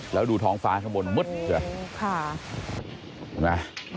แล้วดูทองฟ้าข้างบนโอ้โฮค่ะ